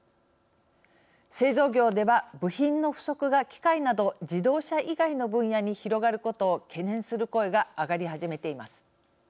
製造業では、部品の不足が機械など自動車以外の分野に広がることを懸念する声が上がり始めています。